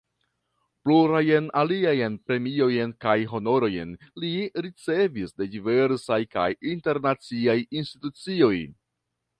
Plurajn aliajn premiojn kaj honorojn li ricevis de diversaj kaj internaciaj institucioj.